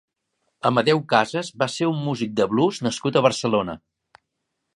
Amadeu Casas va ser un músic de blues nascut a Barcelona.